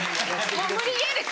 もう無理ゲーです。